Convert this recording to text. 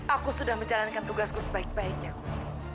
aku sudah menjalankan tugasku sebaik baiknya gusti